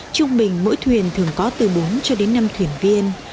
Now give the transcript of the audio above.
trung bình mỗi thuyền thường có từ bốn cho đến năm thuyền viên